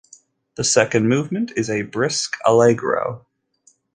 The second movement is a brisk allegro.